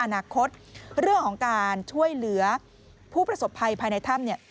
อนาคตเรื่องของการช่วยเหลือผู้ประสบภัยภายในถ้ำ